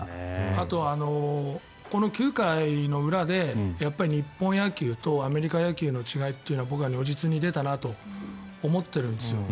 あと、この９回の裏で日本野球とアメリカ野球の違いというのが僕は如実に出たなと思っているんですよ。